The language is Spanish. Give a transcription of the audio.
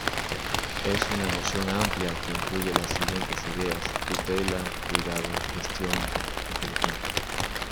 Es una noción amplia que incluye las siguientes ideas: tutela, cuidado, gestión inteligente.